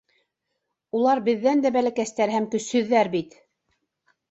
Улар беҙҙән дә бәләкәстәр һәм көсһөҙҙәр бит!